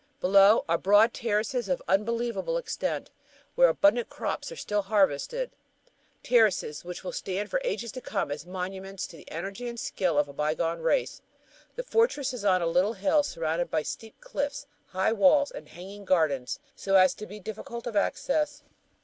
Below are broad terraces of unbelievable extent where abundant crops are still harvested; terraces which will stand for ages to come as monuments to the energy and skill of a bygone race. The "fortress" is on a little hill, surrounded by steep cliffs, high walls, and hanging gardens so as to be difficult of access.